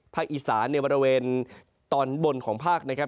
อีสานในบริเวณตอนบนของภาคนะครับ